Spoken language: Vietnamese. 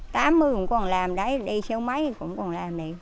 tám mưu cũng còn làm đấy đây xéo máy cũng còn làm đấy